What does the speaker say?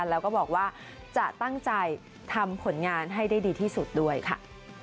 แล้วก็บอกว่าจะตั้งใจทำผลงานให้ได้ดีที่สุดด้วยค่ะ